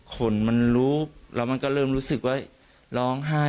ขนมันลูบแล้วมันก็เริ่มรู้สึกว่า